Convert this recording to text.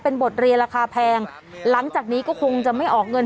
เป็นบทเรียนราคาแพงหลังจากนี้ก็คงจะไม่ออกเงิน